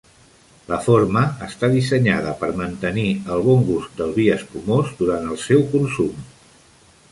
La forma està dissenyada per mantenir el bon gust del vi espumós durant el seu consum.